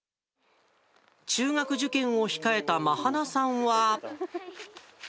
中学受験を控えたまはなさんは。